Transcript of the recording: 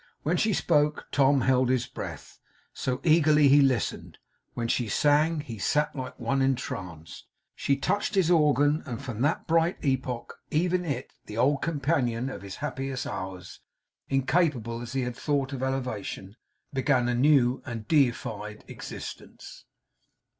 When she spoke, Tom held his breath, so eagerly he listened; when she sang, he sat like one entranced. She touched his organ, and from that bright epoch even it, the old companion of his happiest hours, incapable as he had thought of elevation, began a new and deified existence.